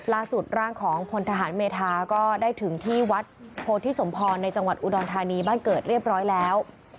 ล่าสุดร่างของพลทหารเมธาก็ได้ถึงที่วัดโพธิสมพรในจังหวัดอุดรธานีบ้านเกิดเรียบร้อยแล้ว